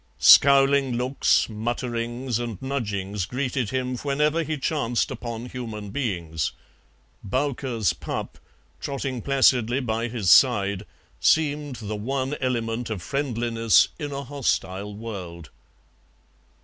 Scowling looks, mutterings, and nudgings greeted him whenever he chanced upon human beings; "Bowker's pup," trotting placidly by his side, seemed the one element of friendliness in a hostile world.